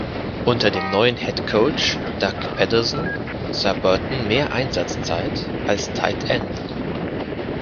Unter dem neuen Head Coach Doug Pederson sah Burton mehr Einsatzzeit als Tight End.